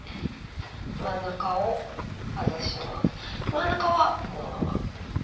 真ん中はこのまま。